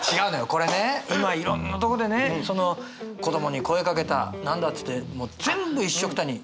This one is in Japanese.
これね今いろんなとこでねその子どもに声かけた何だっつってもう全部いっしょくたに悪いことにされてる。